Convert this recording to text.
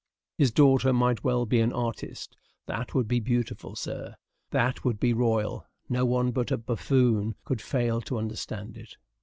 His daughter might well be an artist. That would be beautiful, sir; that would be royal; no one but a buffoon could fail to understand it.